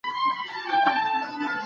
شعر موزون او مخیل کلام دی.